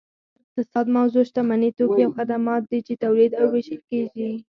د اقتصاد موضوع شتمني توکي او خدمات دي چې تولید او ویشل کیږي